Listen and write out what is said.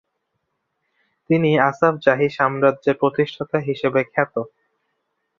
তিনি আসাফ জাহি সাম্রাজ্যের প্রতিষ্ঠাতা হিসেবে খ্যাত।